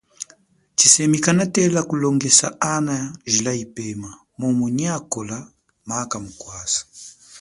Tshisemi kanatela kulongesa ana jila ipema mumu nyi akola maka mukwasa.